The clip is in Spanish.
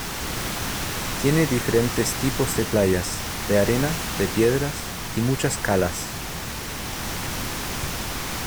Tiene diferentes tipos de playas, de arena de piedras, y muchas calas.